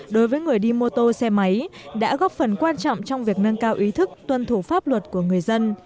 đối với người đi mô tô xe máy đã góp phần quan trọng trong việc nâng cao ý thức tuân thủ pháp luật của người dân